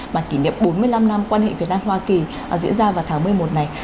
mà kỷ niệm bốn mươi năm năm quan hệ việt nam hoa kỳ diễn ra vào tháng một mươi một này